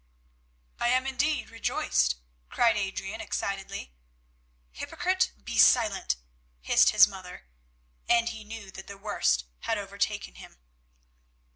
"I am indeed rejoiced," cried Adrian excitedly. "Hypocrite, be silent," hissed his mother, and he knew that the worst had overtaken him.